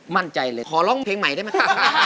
มั่นใจเลยขอร้องเพลงใหม่ได้ไหมคะ